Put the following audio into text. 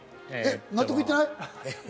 納得いってない？